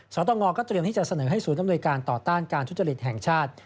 สตงก็เตรียมที่จะเสนอให้ศูนย์อำนวยการต่อต้านการทุจริตแห่งชาติ